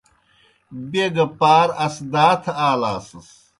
بیْہ گہ پار اسدا تھہ آلاسَس۔